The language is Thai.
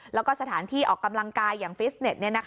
แล้วก็สถานที่ออกกำลังกายอย่างฟิสเน็ต